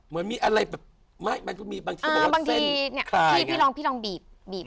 เหมือนมีอะไรแบบไม่มันก็มีบางที่บอกว่าบางทีเนี่ยพี่ลองพี่ลองบีบ